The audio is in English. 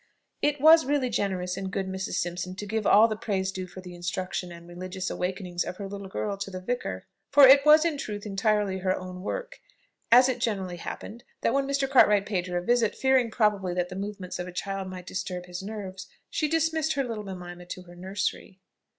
It was really generous in good Mrs. Simpson to give all the praise due for the instruction and religious awakening of her little girl to the vicar, for it was in truth entirely her own work; as it generally happened, that when Mr. Cartwright paid her a visit, fearing probably that the movements of a child might disturb his nerves, she dismissed her little Mimima to her nursery.